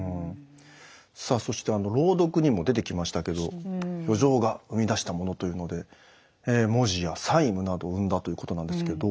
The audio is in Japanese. さあそしてあの朗読にも出てきましたけど余剰が生み出したものというので文字や債務などを生んだということなんですけど。